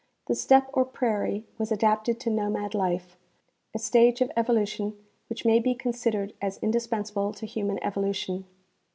The steppe or prairie was adapted to nomad life, a stage of evolution which may be considered as indispensable to human evolution.